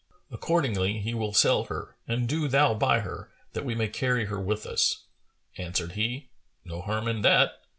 Accordingly he will sell her and do thou buy her, that we may carry her with us." Answered he, "No harm in that."